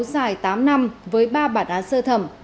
dài tám năm với ba bản án sơ thẩm